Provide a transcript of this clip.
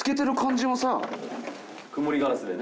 曇りガラスでね。